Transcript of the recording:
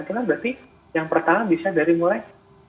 itu kan berarti yang pertama bisa dari mulai